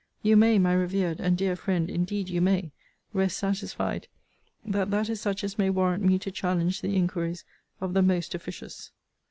You may, my revered and dear friend, indeed you may, rest satisfied, that that is such as may warrant me to challenge the inquiries of the most officious.